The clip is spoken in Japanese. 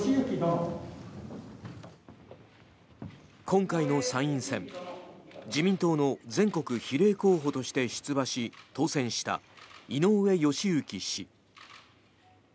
今回の参院選自民党の全国比例候補として出馬し当選した井上義行氏。